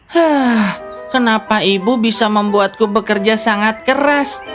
hah kenapa ibu bisa membuatku bekerja sangat keras